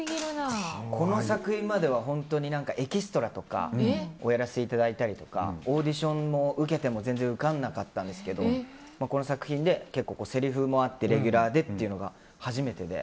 この作品まではエキストラとかをやらせていただいたりとかオーディションも受けても全然受からなかったんですけどこの作品で結構せりふもあってレギュラーでというのが初めてで。